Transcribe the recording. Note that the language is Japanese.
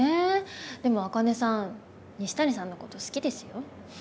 でも茜さん西谷さんのこと好きですよ。